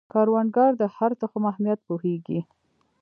کروندګر د هر تخم اهمیت پوهیږي